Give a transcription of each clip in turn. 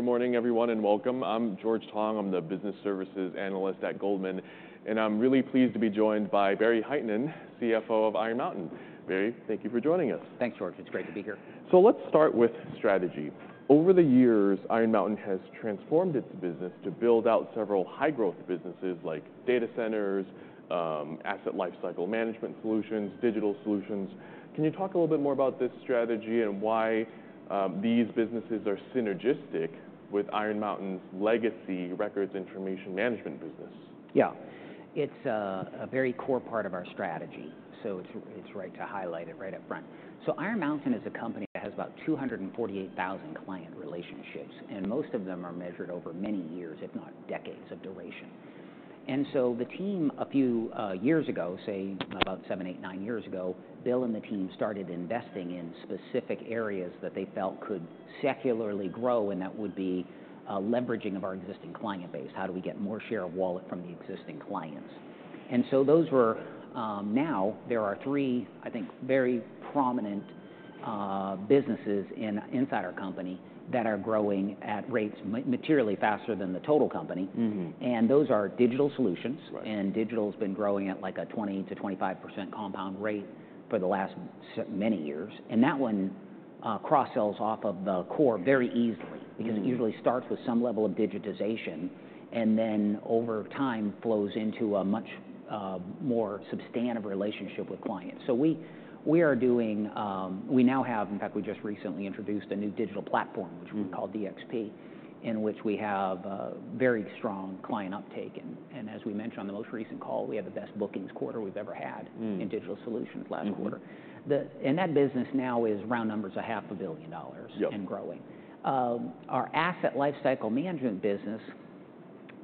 Good morning, everyone, and welcome. I'm George Tong. I'm the business services analyst at Goldman, and I'm really pleased to be joined by Barry Hytinen, CFO of Iron Mountain. Barry, thank you for joining us. Thanks, George. It's great to be here. So let's start with strategy. Over the years, Iron Mountain has transformed its business to build out several high-growth businesses, like data centers, asset lifecycle management solutions, digital solutions. Can you talk a little bit more about this strategy, and why these businesses are synergistic with Iron Mountain's legacy records and information management business? Yeah. It's a very core part of our strategy, so it's right to highlight it right up front. So Iron Mountain is a company that has about 248,000 client relationships, and most of them are measured over many years, if not decades of duration. And so the team, a few years ago, about seven, eight, nine years ago, Bill and the team started investing in specific areas that they felt could secularly grow, and that would be a leveraging of our existing client base. How do we get more share of wallet from the existing clients? And so those were. Now there are three, I think, very prominent businesses inside our company that are growing at rates materially faster than the total company. And those are digital solutions- Right... and digital's been growing at, like, a 20%-25% compound rate for the last many years. And that one cross-sells off of the core very easily-... because it usually starts with some level of digitization, and then over time, flows into a much more substantive relationship with clients. So we are doing, we now have, in fact, we just recently introduced a new digital platform-... which we call DXP, in which we have a very strong client uptake. And as we mentioned on the most recent call, we had the best bookings quarter we've ever had-Mm... in digital solutions last quarter. and that business now is, round numbers, $500 million. Yep... and growing. Our Asset Lifecycle Management business,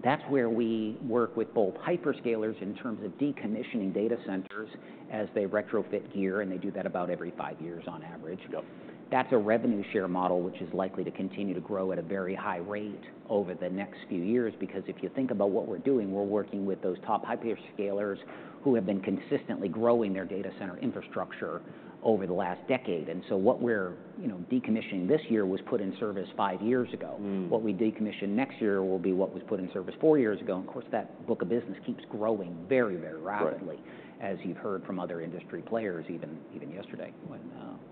that's where we work with both hyperscalers in terms of decommissioning data centers as they retrofit gear, and they do that about every five years on average. Yep. That's a revenue share model, which is likely to continue to grow at a very high rate over the next few years. Because if you think about what we're doing, we're working with those top hyperscalers who have been consistently growing their data center infrastructure over the last decade. And so what we're, you know, decommissioning this year was put in service five years ago. What we decommission next year will be what was put in service four years ago, and of course, that book of business keeps growing very, very rapidly- Right... as you've heard from other industry players, even yesterday, when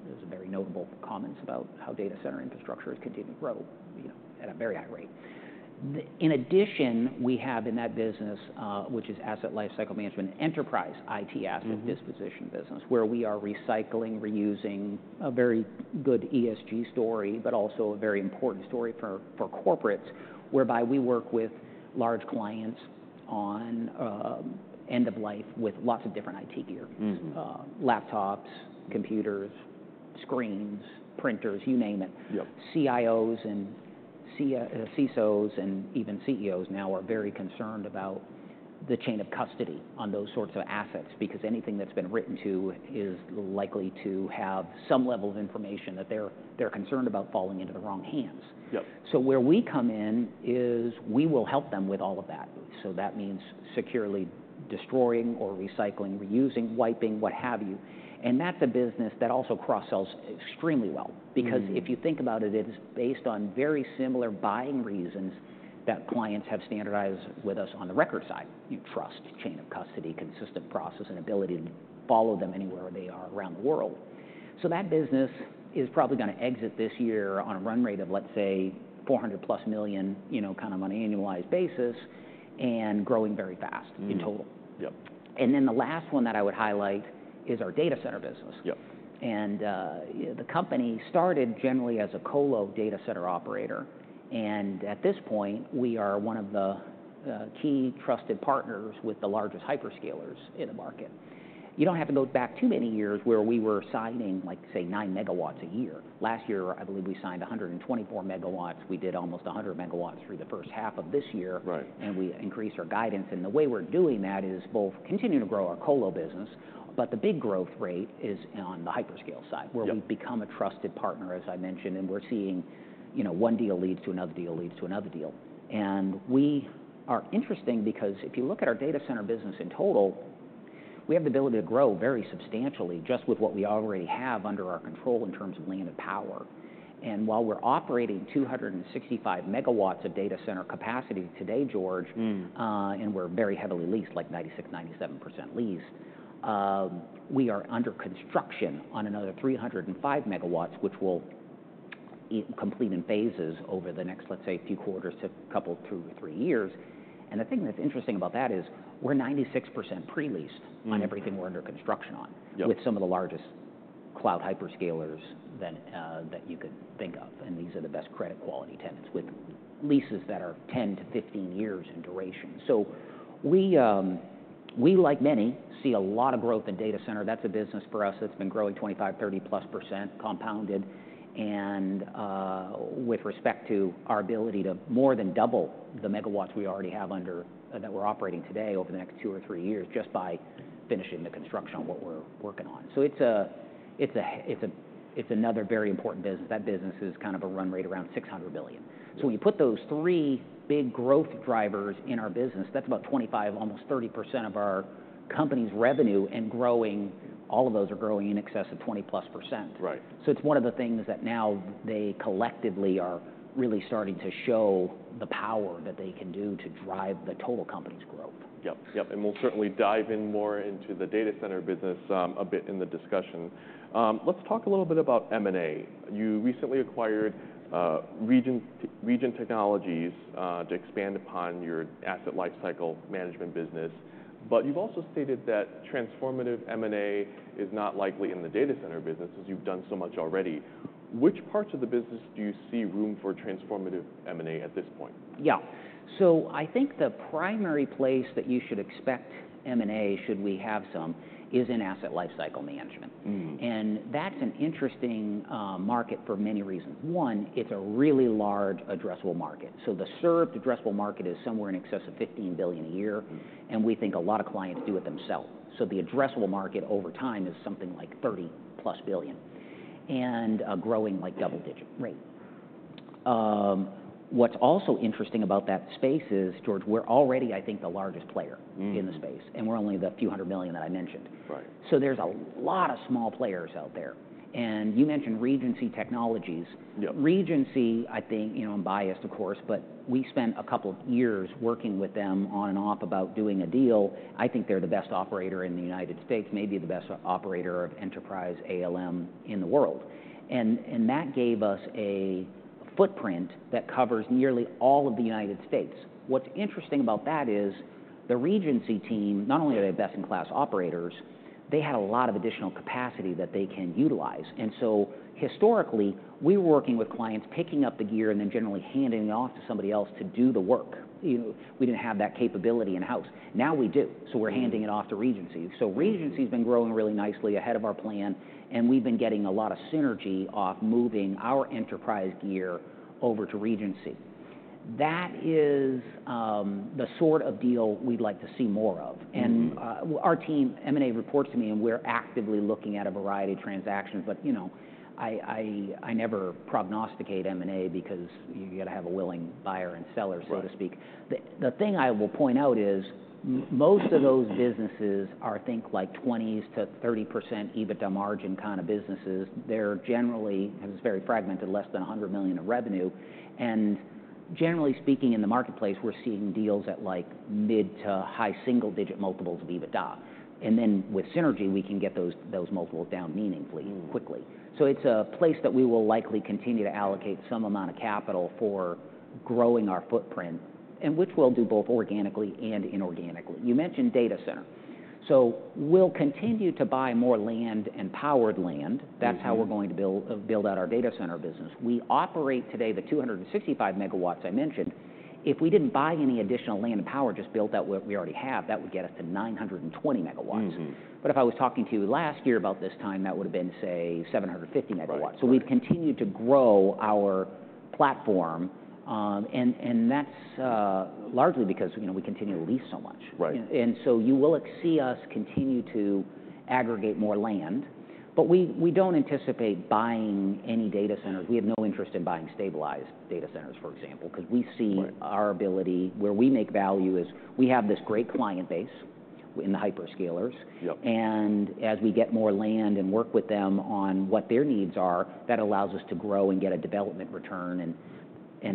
there was very notable comments about how data center infrastructure has continued to grow, you know, at a very high rate. In addition, we have in that business, which is asset lifecycle management, enterprise IT asset-... disposition business, where we are recycling, reusing, a very good ESG story, but also a very important story for corporates, whereby we work with large clients on end of life with lots of different IT gear. Laptops, computers, screens, printers, you name it. Yep. CIOs, and CISOs, and even CEOs now are very concerned about the chain of custody on those sorts of assets, because anything that's been written to is likely to have some level of information that they're concerned about falling into the wrong hands. Yep. So where we come in is, we will help them with all of that. So that means securely destroying or recycling, reusing, wiping, what have you, and that's a business that also cross-sells extremely well. Because if you think about it, it is based on very similar buying reasons that clients have standardized with us on the record side. You trust, chain of custody, consistent process, and ability to follow them anywhere they are around the world. So that business is probably gonna exit this year on a run rate of, let's say, $400-plus million, you know, kind of on an annualized basis, and growing very fast.... in total. Yep. And then the last one that I would highlight is our data center business. Yep. The company started generally as a colo data center operator, and at this point, we are one of the key trusted partners with the largest hyperscalers in the market. You don't have to go back too many years where we were signing, like, say, nine megawatts a year. Last year, I believe we signed 124 megawatts. We did almost 100 megawatts through the first half of this year- Right ...and we increased our guidance, and the way we're doing that is both continuing to grow our colo business, but the big growth rate is on the hyperscale side- Yep... where we've become a trusted partner, as I mentioned, and we're seeing, you know, one deal leads to another deal, leads to another deal. And we are interesting because if you look at our data center business in total, we have the ability to grow very substantially just with what we already have under our control in terms of land and power. And while we're operating 265 megawatts of data center capacity today, George-... and we're very heavily leased, like 96%-97% leased. We are under construction on another 305 megawatts, which will complete in phases over the next, let's say, few quarters to couple two, three years. And the thing that's interesting about that is, we're 96% pre-leased-... on everything we're under construction on- Yep... with some of the largest cloud hyperscalers than that you could think of, and these are the best credit quality tenants with leases that are 10-15 years in duration. So we, like many, see a lot of growth in data center. That's a business for us that's been growing 25-30+% compounded. And with respect to our ability to more than double the megawatts we already have under that we're operating today over the next 2 or 3 years, just by finishing the construction on what we're working on. So it's another very important business. That business is kind of a run rate around $600 billion. Yeah. So when you put those three big growth drivers in our business, that's about 25%, almost 30% of our company's revenue, and growing, all of those are growing in excess of 20-plus%. Right. So it's one of the things that now they collectively are really starting to show the power that they can do to drive the total company's growth. Yep, yep, and we'll certainly dive in more into the data center business, a bit in the discussion. Let's talk a little bit about M&A. You recently acquired Regency Technologies to expand upon your asset lifecycle management business. But you've also stated that transformative M&A is not likely in the data center business, as you've done so much already. Which parts of the business do you see room for transformative M&A at this point? Yeah, so I think the primary place that you should expect M&A, should we have some, is in Asset Lifecycle Management. That's an interesting market for many reasons. One, it's a really large addressable market. The served addressable market is somewhere in excess of $15 billion a year, and we think a lot of clients do it themselves. The addressable market over time is something like $30+ billion, and growing like double digit. Right. What's also interesting about that space is, George, we're already, I think, the largest player-... in the space, and we're only the few 100 million that I mentioned. Right. So there's a lot of small players out there, and you mentioned Regency Technologies. Yep. Regency, I think, you know, I'm biased, of course, but we spent a couple of years working with them on and off about doing a deal. I think they're the best operator in the United States, maybe the best operator of enterprise ALM in the world. And that gave us a footprint that covers nearly all of the United States. What's interesting about that is the Regency team, not only are they best-in-class operators, they had a lot of additional capacity that they can utilize. And so historically, we were working with clients, picking up the gear, and then generally handing it off to somebody else to do the work. You know, we didn't have that capability in-house. Now we do. So we're handing it off to Regency. So Regency's been growing really nicely ahead of our plan, and we've been getting a lot of synergy off moving our enterprise gear over to Regency. That is, the sort of deal we'd like to see more of. Our team, M&A reports to me, and we're actively looking at a variety of transactions, but, you know, I never prognosticate M&A because you've got to have a willing buyer and seller. Right... so to speak. The thing I will point out is, most of those businesses are, I think, like 20%-30% EBITDA margin kind of businesses. They're generally, and it's very fragmented, less than $100 million of revenue. And generally speaking, in the marketplace, we're seeing deals at, like, mid- to high single-digit multiples of EBITDA. And then with synergy, we can get those multiples down meaningfully-... quickly. So it's a place that we will likely continue to allocate some amount of capital for growing our footprint, and which we'll do both organically and inorganically. You mentioned data center. So we'll continue to buy more land and powered land. That's how we're going to build out our data center business. We operate today the 265 megawatts I mentioned. If we didn't buy any additional land and power, just built out what we already have, that would get us to 920 megawatts. But if I was talking to you last year about this time, that would've been, say, 750 megawatts. Right. Right. So we've continued to grow our platform, and that's largely because, you know, we continue to lease so much. Right. You will expect to see us continue to aggregate more land, but we don't anticipate buying any data centers. We have no interest in buying stabilized data centers, for example, 'cause we see- Right... our ability, where we make value, is we have this great client base in the hyperscalers. Yep. And as we get more land and work with them on what their needs are, that allows us to grow and get a development return. And,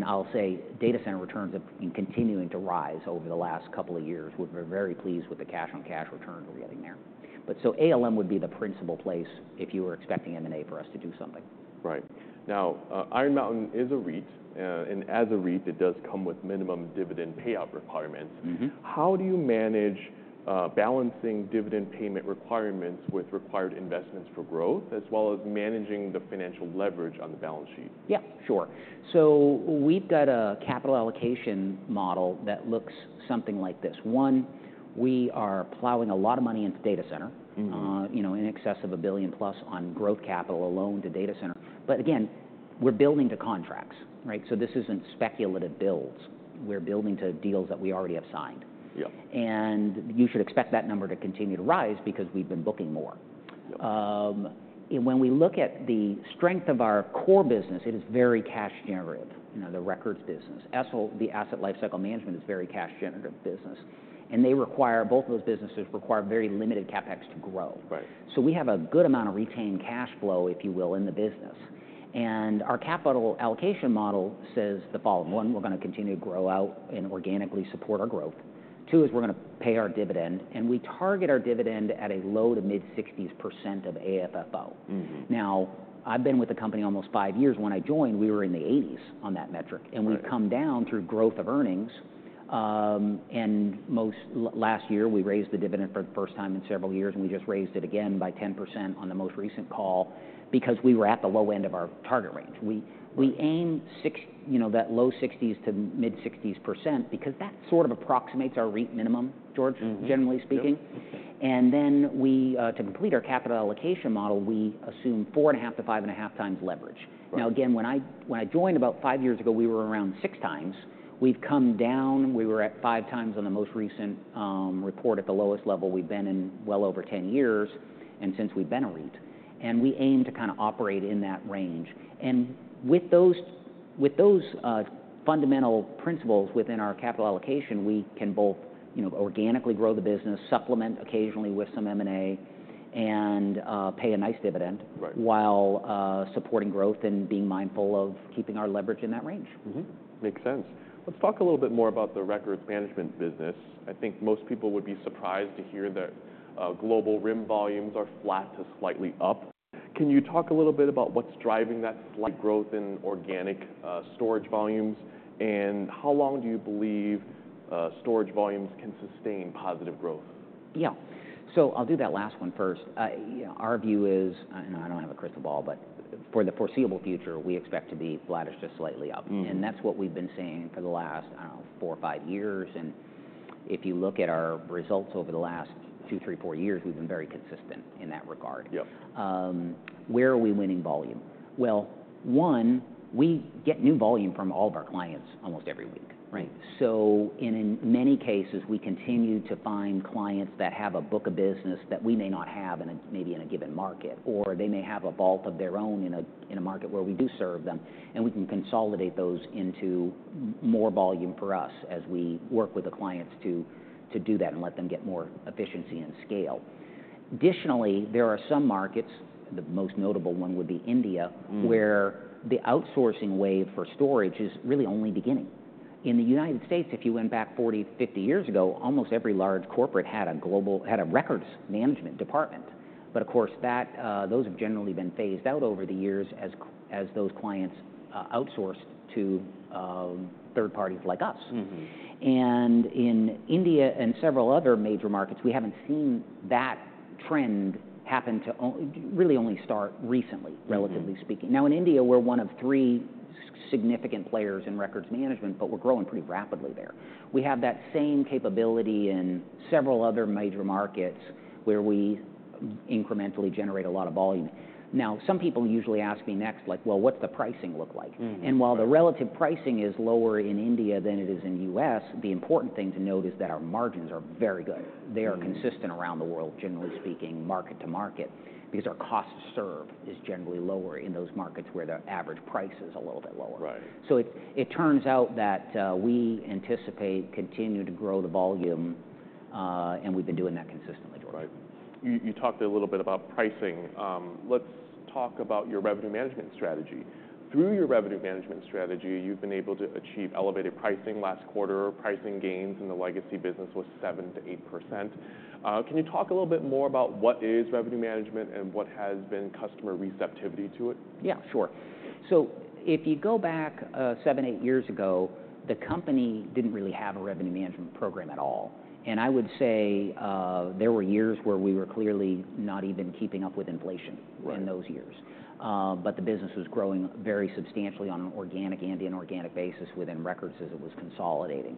I'll say data center returns have been continuing to rise over the last couple of years. We've been very pleased with the cash-on-cash return we're getting there. But so ALM would be the principal place if you were expecting M&A for us to do something. Right. Now, Iron Mountain is a REIT, and as a REIT, it does come with minimum dividend payout requirements. How do you manage balancing dividend payment requirements with required investments for growth, as well as managing the financial leverage on the balance sheet? Yeah, sure. So we've got a capital allocation model that looks something like this: One, we are plowing a lot of money into data center. You know, in excess of $1 billion-plus on growth capital alone to data center. But again, we're building to contracts, right? So this isn't speculative builds. We're building to deals that we already have signed. Yep. You should expect that number to continue to rise because we've been booking more. Yep. And when we look at the strength of our core business, it is very cash-generative, you know, the records business. ALM, the asset lifecycle management, is a very cash-generative business, and both those businesses require very limited CapEx to grow. Right. So we have a good amount of retained cash flow, if you will, in the business. And our capital allocation model says the following: One, we're gonna continue to grow out and organically support our growth. Two, is we're gonna pay our dividend, and we target our dividend at a low- to mid-sixties % of AFFO. Now, I've been with the company almost five years. When I joined, we were in the eighties on that metric. Right. We've come down through growth of earnings, and most last year, we raised the dividend for the first time in several years, and we just raised it again by 10% on the most recent call because we were at the low end of our target range. We aim, you know, that low sixties to mid-sixties % because that sort of approximates our REIT minimum, George. Generally speaking. Yep. And then we, to complete our capital allocation model, we assume four and a half to five and a half times leverage. Right. Now, again, when I joined about five years ago, we were around six times. We've come down. We were at five times on the most recent report, at the lowest level we've been in well over 10 years, and since we've been a REIT, and we aim to kind of operate in that range. And with those fundamental principles within our capital allocation, we can both, you know, organically grow the business, supplement occasionally with some M&A, and pay a nice dividend- Right... while supporting growth and being mindful of keeping our leverage in that range. Mm-hmm. Makes sense. Let's talk a little bit more about the records management business. I think most people would be surprised to hear that, global RIM volumes are flat to slightly up. Can you talk a little bit about what's driving that slight growth in organic, storage volumes? And how long do you believe, storage volumes can sustain positive growth? Yeah. So I'll do that last one first. Our view is, and I don't have a crystal ball, but for the foreseeable future, we expect to be flatish to slightly up. And that's what we've been saying for the last, I don't know, four or five years, and if you look at our results over the last two, three, four years, we've been very consistent in that regard. Yep. Where are we winning volume? Well, one, we get new volume from all of our clients almost every week. Right. So in many cases, we continue to find clients that have a book of business that we may not have in a, maybe in a given market, or they may have a vault of their own in a, in a market where we do serve them, and we can consolidate those into more volume for us as we work with the clients to, to do that and let them get more efficiency and scale. Additionally, there are some markets, the most notable one would be India.... where the outsourcing wave for storage is really only beginning. In the United States, if you went back forty, fifty years ago, almost every large corporate had a records management department. But of course, that, those have generally been phased out over the years as those clients outsourced to third parties like us. In India and several other major markets, we haven't seen that trend happen. Really, only start recently.... relatively speaking. Now, in India, we're one of three significant players in records management, but we're growing pretty rapidly there. We have that same capability in several other major markets where we incrementally generate a lot of volume. Now, some people usually ask me next, like: "Well, what's the pricing look like? While the relative pricing is lower in India than it is in the U.S., the important thing to note is that our margins are very good. They are consistent around the world, generally speaking, market to market, because our cost to serve is generally lower in those markets where the average price is a little bit lower. Right. So it turns out that we anticipate continuing to grow the volume and we've been doing that consistently, George. Right. You talked a little bit about pricing. Let's talk about your revenue management strategy. Through your revenue management strategy, you've been able to achieve elevated pricing. Last quarter, pricing gains in the legacy business was 7%-8%. Can you talk a little bit more about what is revenue management and what has been customer receptivity to it? Yeah, sure. So if you go back seven, eight years ago, the company didn't really have a revenue management program at all. And I would say there were years where we were clearly not even keeping up with inflation- Right... in those years, but the business was growing very substantially on an organic and inorganic basis within records as it was consolidating.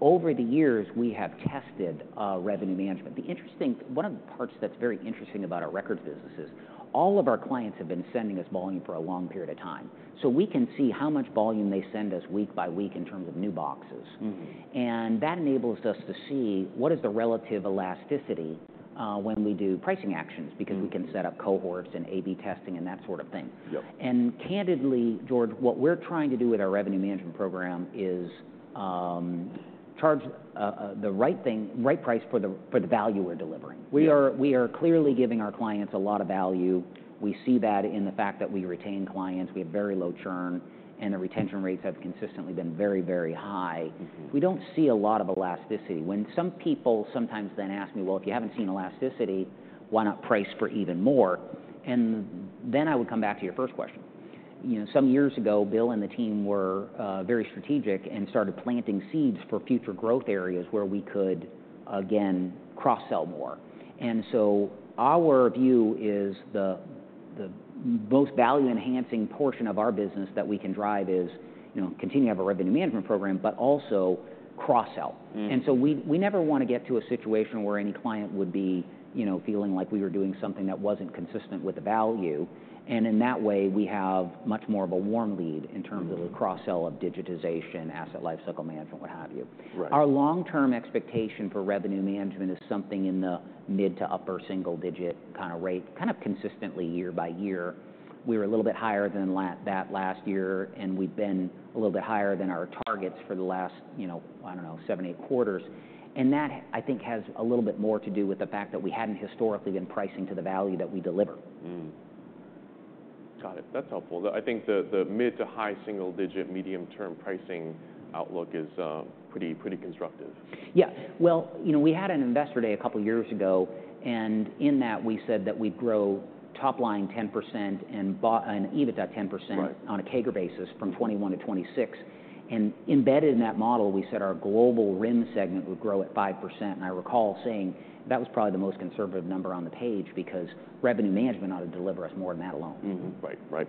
Over the years, we have tested revenue management. One of the parts that's very interesting about our records business is all of our clients have been sending us volume for a long period of time, so we can see how much volume they send us week by week in terms of new boxes. And that enables us to see what is the relative elasticity, when we do pricing actions-... because we can set up cohorts and A/B testing and that sort of thing. Yep. Candidly, George, what we're trying to do with our revenue management program is charge the right thing, right price for the value we're delivering. Yeah. We are clearly giving our clients a lot of value. We see that in the fact that we retain clients, we have very low churn, and the retention rates have consistently been very, very high. We don't see a lot of elasticity. When some people sometimes then ask me: "Well, if you haven't seen elasticity, why not price for even more?" And then I would come back to your first question. You know, some years ago, Bill and the team were very strategic and started planting seeds for future growth areas where we could again, cross-sell more. And so our view is the most value-enhancing portion of our business that we can drive is, you know, continuing to have a revenue management program, but also cross-sell. And so we never want to get to a situation where any client would be, you know, feeling like we were doing something that wasn't consistent with the value. And in that way, we have much more of a warm lead in terms-... of the cross-sell of digitization, asset lifecycle management, what have you. Right. Our long-term expectation for revenue management is something in the mid- to upper-single-digit kind of rate, kind of consistently year by year. We were a little bit higher than that last year, and we've been a little bit higher than our targets for the last, you know, I don't know, seven, eight quarters. And that, I think, has a little bit more to do with the fact that we hadn't historically been pricing to the value that we deliver. Got it. That's helpful. Though I think the mid to high single digit medium-term pricing outlook is pretty constructive. Yeah. Well, you know, we had an investor day a couple years ago, and in that we said that we'd grow top line 10% and EBITDA 10%. Right On a CAGR basis from 2021 to 2026. Embedded in that model, we said our global RIM segment would grow at 5%. I recall saying that was probably the most conservative number on the page, because revenue management ought to deliver us more than that alone. Mm-hmm. Right. Right.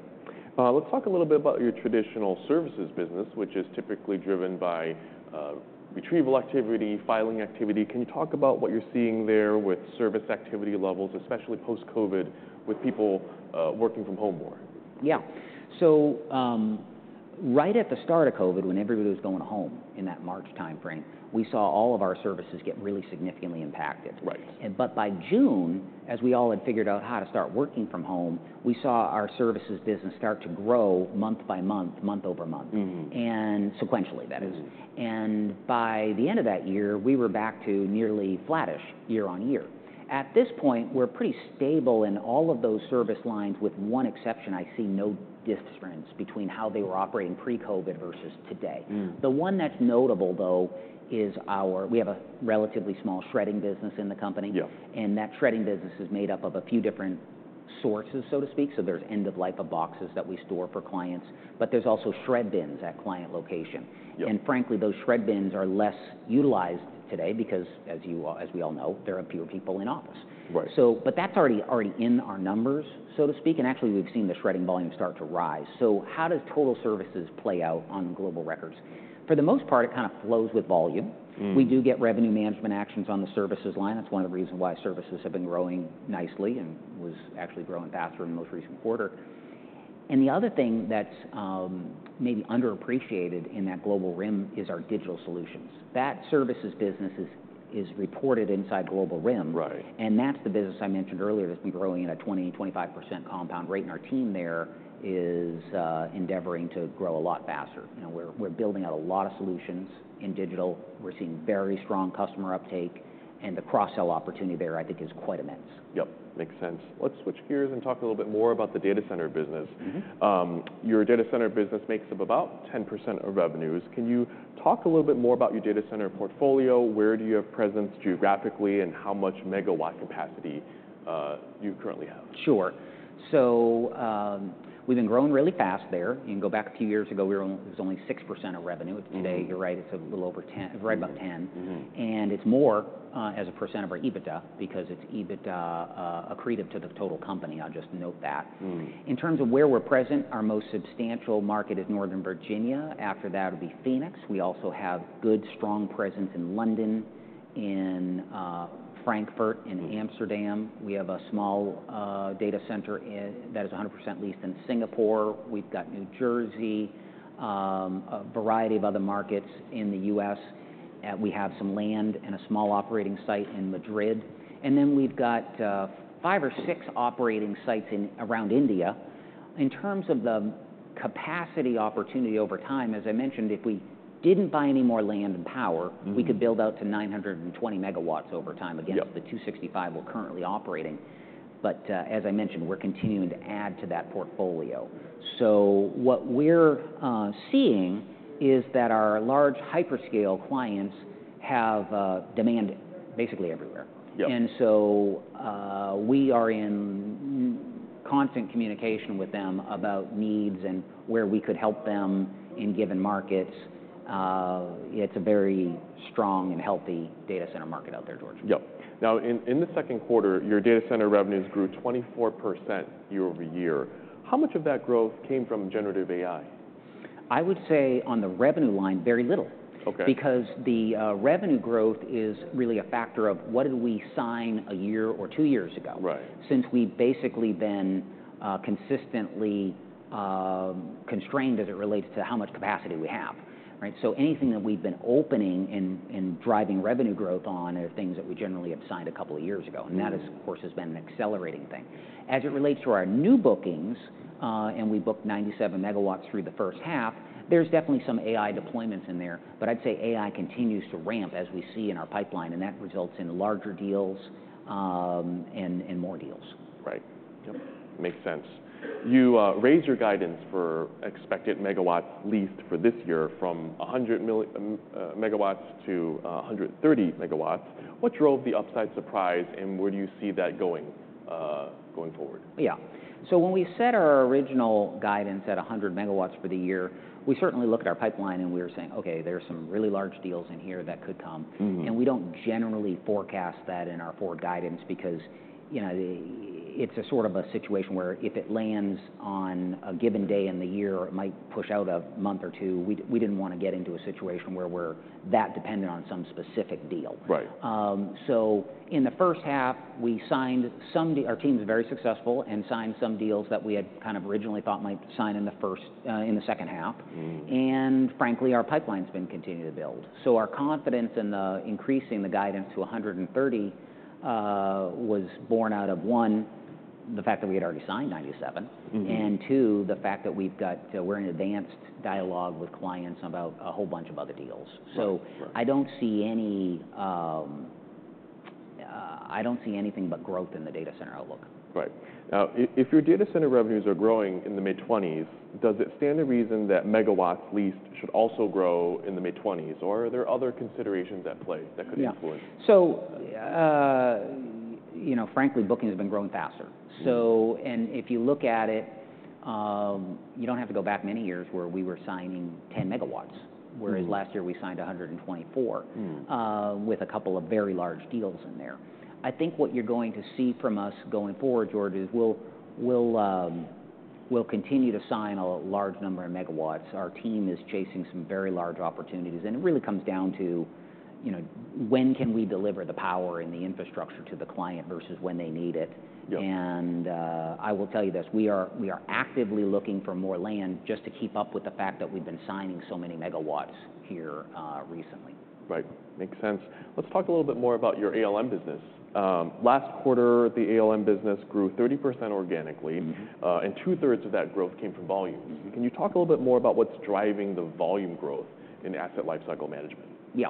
Let's talk a little bit about your traditional services business, which is typically driven by retrieval activity, filing activity. Can you talk about what you're seeing there with service activity levels, especially post-COVID, with people working from home more? Yeah. So, right at the start of COVID, when everybody was going home in that March timeframe, we saw all of our services get really significantly impacted. Right. But by June, as we all had figured out how to start working from home, we saw our services business start to grow month by month, month over month. Sequentially, that is. By the end of that year, we were back to nearly flattish year on year. At this point, we're pretty stable in all of those service lines, with one exception. I see no difference between how they were operating pre-COVID versus today. The one that's notable though is our... We have a relatively small shredding business in the company. Yeah. That shredding business is made up of a few different sources, so to speak, so there's end of life of boxes that we store for clients, but there's also shred bins at client location. Yeah. Frankly, those shred bins are less utilized today because as you, as we all know, there are fewer people in office. Right. So, but that's already in our numbers, so to speak, and actually, we've seen the shredding volume start to rise. So how does total services play out on Global Records? For the most part, it kind of flows with volume. We do get revenue management actions on the services line. That's one of the reasons why services have been growing nicely and was actually growing faster in the most recent quarter. And the other thing that's maybe underappreciated in that global RIM is our digital solutions. That services business is reported inside global RIM. Right. And that's the business I mentioned earlier, that's been growing at a 20-25% compound rate, and our team there is endeavoring to grow a lot faster. You know, we're building out a lot of solutions in digital. We're seeing very strong customer uptake, and the cross-sell opportunity there, I think, is quite immense. Yep, makes sense. Let's switch gears and talk a little bit more about the data center business. Your data center business makes up about 10% of revenues. Can you talk a little bit more about your data center portfolio? Where do you have presence geographically, and how much megawatt capacity you currently have? Sure. So, we've been growing really fast there. You can go back a few years ago; it was only 6% of revenue. Today, you're right, it's a little over 10, right about 10. And it's more, as a % of our EBITDA, because it's EBITDA, accretive to the total company. I'll just note that. In terms of where we're present, our most substantial market is Northern Virginia. After that, it'll be Phoenix. We also have good, strong presence in London, in Frankfurt, in Amsterdam. We have a small data center that is 100% leased in Singapore. We've got New Jersey, a variety of other markets in the US, and we have some land and a small operating site in Madrid. And then we've got five or six operating sites in and around India. In terms of the capacity opportunity over time, as I mentioned, if we didn't buy any more land and power-... we could build out to 920 megawatts over time- Yeah against the 265 we're currently operating. But, as I mentioned, we're continuing to add to that portfolio. So what we're seeing is that our large hyperscale clients have demand basically everywhere. Yep. We are in constant communication with them about needs and where we could help them in given markets. It's a very strong and healthy data center market out there, George. Yep. Now, in the second quarter, your data center revenues grew 24% year over year. How much of that growth came from generative AI? I would say on the revenue line, very little. Okay. Because the revenue growth is really a factor of what did we sign a year or two years ago? Right. Since we've basically been consistently constrained as it relates to how much capacity we have, right? So anything that we've been opening and driving revenue growth on are things that we generally have signed a couple of years ago. That has, of course, been an accelerating thing. As it relates to our new bookings, and we booked 97 megawatts through the first half, there's definitely some AI deployments in there, but I'd say AI continues to ramp as we see in our pipeline, and that results in larger deals, and more deals. Right. Yep, makes sense. You raised your guidance for expected megawatts leased for this year from a hundred megawatts to a hundred and thirty megawatts. What drove the upside surprise, and where do you see that going forward? Yeah. So when we set our original guidance at 100 megawatts for the year, we certainly looked at our pipeline and we were saying, "Okay, there are some really large deals in here that could come. We don't generally forecast that in our forward guidance because, you know, it's a sort of a situation where if it lands on a given day in the year, it might push out a month or two. We didn't wanna get into a situation where we're that dependent on some specific deal. Right. So in the first half, we signed some deals. Our team is very successful and signed some deals that we had kind of originally thought might sign in the second half. Frankly, our pipeline's been continuing to build. Our confidence in the increasing the guidance to 130 was born out of, one, the fact that we had already signed 97. Two, the fact that we're in advanced dialogue with clients about a whole bunch of other deals. Right. Right. So I don't see any, I don't see anything but growth in the data center outlook. Right. Now, if your data center revenues are growing in the mid-twenties, does it stand to reason that megawatts leased should also grow in the mid-twenties, or are there other considerations at play that could influence? Yeah. So, you know, frankly, booking has been growing faster. And if you look at it, you don't have to go back many years where we were signing 10 megawatts. whereas last year we signed 124-... with a couple of very large deals in there. I think what you're going to see from us going forward, George, is we'll continue to sign a large number of megawatts. Our team is chasing some very large opportunities, and it really comes down to, you know, when can we deliver the power and the infrastructure to the client versus when they need it? Yeah. I will tell you this: we are actively looking for more land just to keep up with the fact that we've been signing so many megawatts here recently. Right. Makes sense. Let's talk a little bit more about your ALM business. Last quarter, the ALM business grew 30% organically-... and two-thirds of that growth came from volume. Can you talk a little bit more about what's driving the volume growth in asset lifecycle management? Yeah.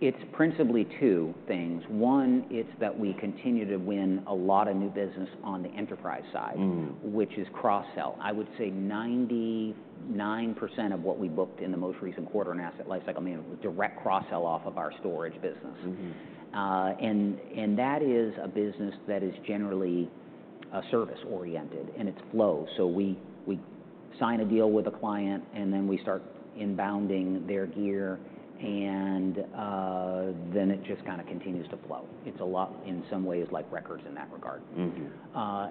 It's principally two things. One, it's that we continue to win a lot of new business on the enterprise side-... which is cross-sell. I would say 99% of what we booked in the most recent quarter in asset lifecycle management was direct cross-sell off of our storage business. And that is a business that is generally service-oriented, and it's flow. So we sign a deal with a client, and then we start inbounding their gear, and then it just kind of continues to flow. It's a lot,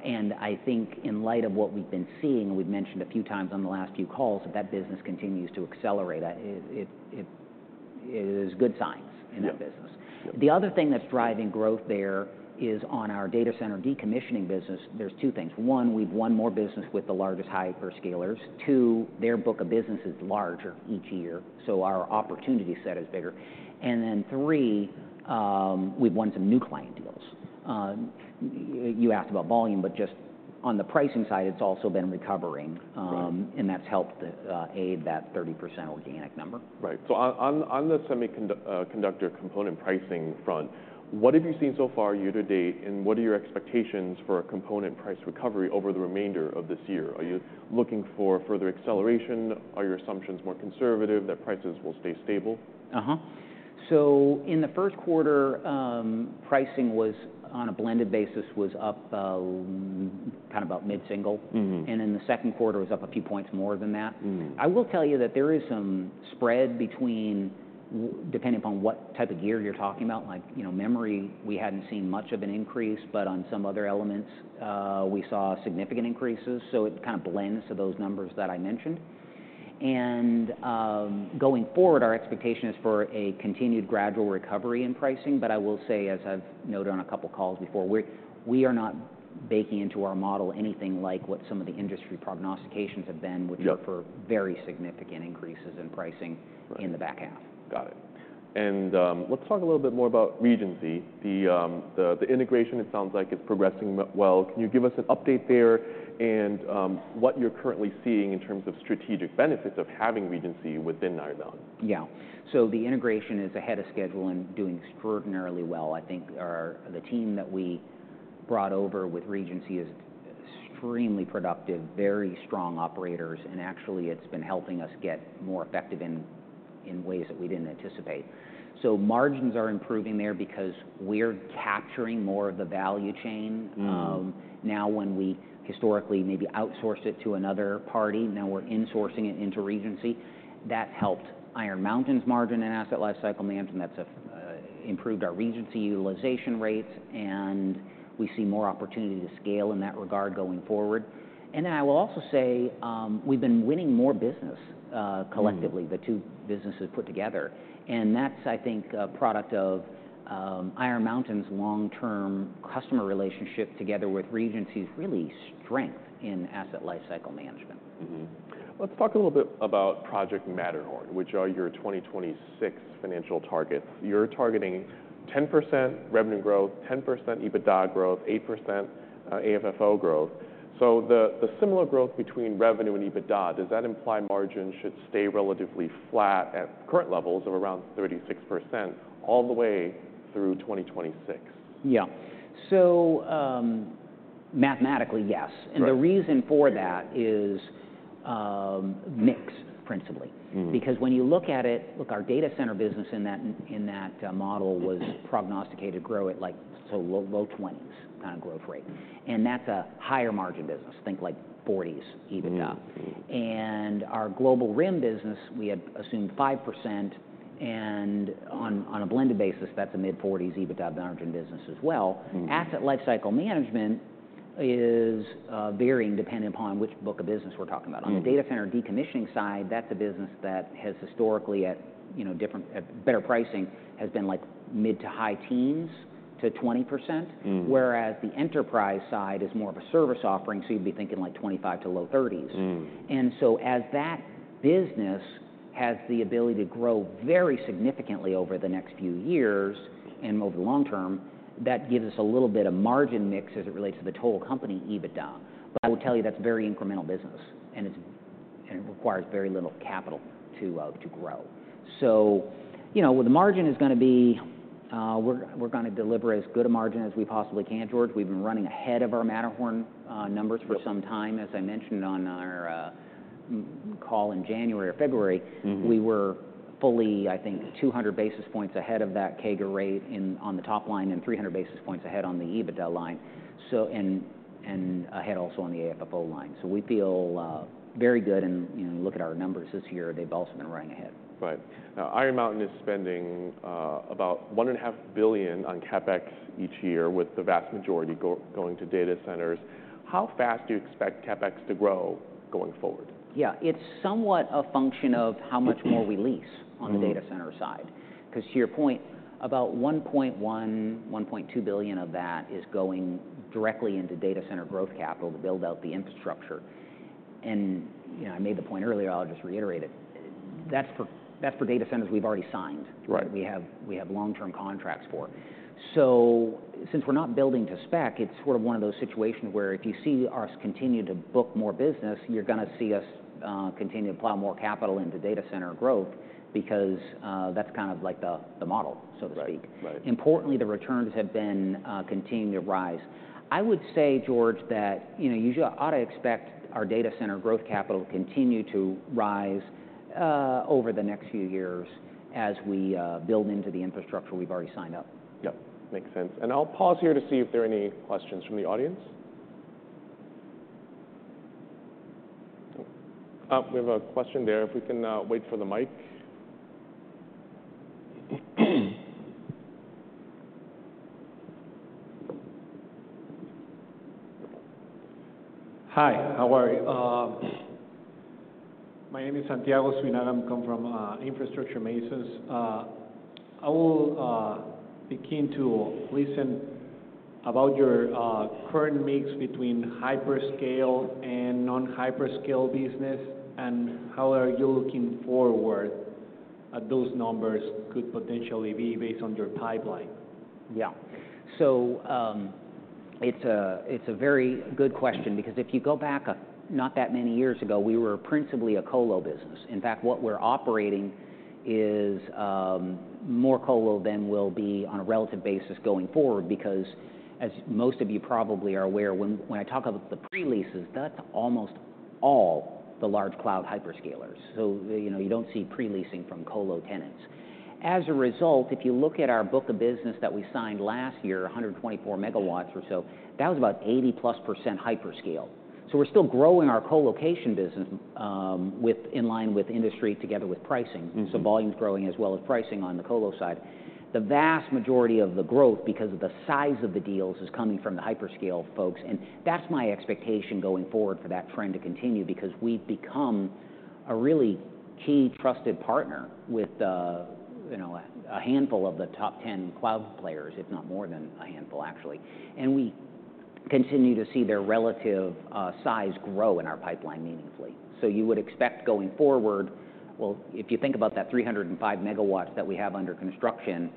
And I think in light of what we've been seeing, we've mentioned a few times on the last few calls, that that business continues to accelerate. It is good signs. Yeah... in that business. Yeah. The other thing that's driving growth there is on our data center decommissioning business, there's two things: one, we've won more business with the largest hyperscalers, two, their book of business is larger each year, so our opportunity set is bigger, and then, three, we've won some new client deals. You asked about volume, but just on the pricing side, it's also been recovering. Right... and that's helped aid that 30% organic number. Right. On the semiconductor component pricing front, what have you seen so far year to date, and what are your expectations for a component price recovery over the remainder of this year? Are you looking for further acceleration? Are your assumptions more conservative, that prices will stay stable? Uh-huh. So in the first quarter, pricing was, on a blended basis, up kind of about mid-single. In the second quarter, it was up a few points more than that. I will tell you that there is some spread between, depending upon what type of gear you're talking about, like, you know, memory, we hadn't seen much of an increase, but on some other elements, we saw significant increases, so it kind of blends to those numbers that I mentioned, and going forward, our expectation is for a continued gradual recovery in pricing, but I will say, as I've noted on a couple calls before, we are not baking into our model anything like what some of the industry prognostications have been- Yeah... which are for very significant increases in pricing- Right... in the back half. Got it. And, let's talk a little bit more about Regency. The integration, it sounds like it's progressing well. Can you give us an update there? And, what you're currently seeing in terms of strategic benefits of having Regency within Iron Mountain? Yeah, so the integration is ahead of schedule and doing extraordinarily well. I think our... the team that we brought over with Regency is extremely productive, very strong operators, and actually it's been helping us get more effective in ways that we didn't anticipate, so margins are improving there because we're capturing more of the value chain. Now when we historically maybe outsourced it to another party, now we're insourcing it into Regency. That's helped Iron Mountain's margin and Asset Lifecycle Management, that's improved our Regency utilization rates, and we see more opportunity to scale in that regard going forward. And then I will also say, we've been winning more business, collectively-... the two businesses put together, and that's, I think, a product of Iron Mountain's long-term customer relationship together with Regency's real strength in asset lifecycle management. Mm-hmm. Let's talk a little bit about Project Matterhorn, which are your 2026 financial targets. You're targeting 10% revenue growth, 10% EBITDA growth, 8% AFFO growth. So the similar growth between revenue and EBITDA, does that imply margins should stay relatively flat at current levels of around 36%, all the way through 2026? Yeah, so, mathematically, yes. Right. And the reason for that is, mix, principally. Because when you look at it, look, our data center business in that model was prognosticated to grow at, like, so low twenties kind of growth rate, and that's a higher margin business, think like forties, even. Yeah. Mm. Our global RIM business, we had assumed 5%, and on a blended basis, that's a mid-forties EBITDA margin business as well. Asset lifecycle management is varying depending upon which book of business we're talking about. On the data center decommissioning side, that's a business that has historically at, you know, different better pricing, has been like mid- to high-teens to 20%. Whereas the enterprise side is more of a service offering, so you'd be thinking like 25 to low 30s. And so as that business has the ability to grow very significantly over the next few years, and over the long term, that gives us a little bit of margin mix as it relates to the total company EBITDA. But I will tell you, that's very incremental business, and it requires very little capital to grow. So, you know, well, the margin is gonna be, we're gonna deliver as good a margin as we possibly can, George. We've been running ahead of our Matterhorn numbers. Yep... for some time. As I mentioned on our call in January or February-... we were fully, I think, 200 basis points ahead of that CAGR rate in, on the top line, and 300 basis points ahead on the EBITDA line, so, and, and ahead also on the AFFO line. So we feel very good, and, you know, look at our numbers this year, they've also been running ahead. Right. Now, Iron Mountain is spending about $1.5 billion on CapEx each year, with the vast majority going to data centers. How fast do you expect CapEx to grow going forward? Yeah. It's somewhat a function of how much more we lease-Mm... on the data center side. 'Cause to your point, about $1.1-$1.2 billion of that is going directly into data center growth capital to build out the infrastructure. And, you know, I made the point earlier, I'll just reiterate it, that's for data centers we've already signed- Right... we have long-term contracts for. So since we're not building to spec, it's sort of one of those situations where if you see us continue to book more business, you're gonna see us continue to plow more capital into data center growth, because that's kind of like the model, so to speak. Right. Right. Importantly, the returns have been continue to rise. I would say, George, that, you know, you should ought to expect our data center growth capital continue to rise over the next few years as we build into the infrastructure we've already signed up. Yep, makes sense. And I'll pause here to see if there are any questions from the audience. We have a question there, if we can wait for the mic. Hi, how are you? My name is Santiago Suinaga, I come from Infrastructure Masons. I will be keen to listen about your current mix between hyperscale and non-hyperscale business, and how are you looking forward at those numbers could potentially be based on your pipeline? Yeah. So, it's a very good question, because if you go back, not that many years ago, we were principally a colo business. In fact, what we're operating is more colo than we'll be on a relative basis going forward. Because, as most of you probably are aware, when I talk about the pre-leases, that's almost all the large cloud hyperscalers. So, you know, you don't see pre-leasing from colo tenants. As a result, if you look at our book of business that we signed last year, 124 megawatts or so, that was about 80+% hyperscale. So we're still growing our co-location business with in line with industry together with pricing. So volume's growing as well as pricing on the colo side. The vast majority of the growth, because of the size of the deals, is coming from the hyperscale folks, and that's my expectation going forward for that trend to continue, because we've become a really key trusted partner with, you know, a handful of the top 10 cloud players, if not more than a handful, actually. And we continue to see their relative size grow in our pipeline meaningfully. So you would expect going forward. Well, if you think about that three hundred and five megawatts that we have under construction,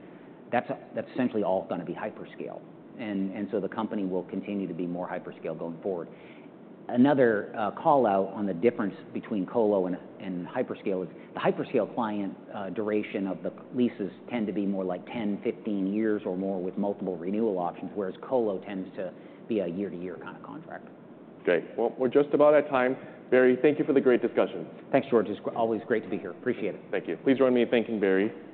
that's essentially all gonna be hyperscale, and so the company will continue to be more hyperscale going forward. Another call-out on the difference between colo and hyperscale is, the hyperscale client duration of the leases tend to be more like ten, 15 years or more with multiple renewal options, whereas colo tends to be a year-to-year kind of contract. Great. Well, we're just about out of time. Barry, thank you for the great discussion. Thanks, George. It's always great to be here. Appreciate it. Thank you. Please join me in thanking Barry.